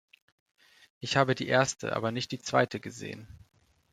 Ich habe die erste, aber nicht die zweite gesehen.